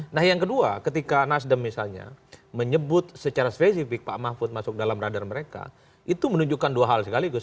nah yang kedua ketika nasdem misalnya menyebut secara spesifik pak mahfud masuk dalam radar mereka itu menunjukkan dua hal sekaligus